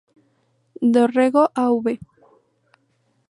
Dorrego, Av.